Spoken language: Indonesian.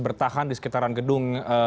bertahan di sekitaran gedung